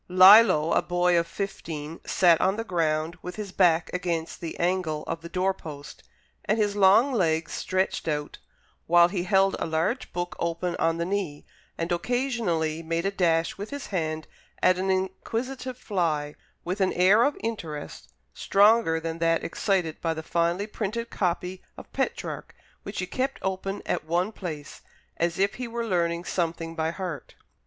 Lillo, a boy of fifteen, sat on the ground, with his back against the angle of the door post, and his long legs stretched out, while he held a large book open on his knee, and occasionally made a dash with his hand at an inquisitive fly, with an air of interest stronger than that excited by the finely printed copy of Petrarch which he kept open at one place, as if he were learning something by heart.